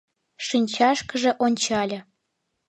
Шинчашкыже ончале.